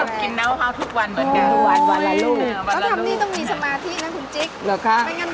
ก็ทำนี่ต้องมีสมาธินะคุณจิ๊ก